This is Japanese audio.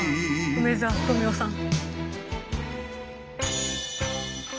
梅沢富美男さん。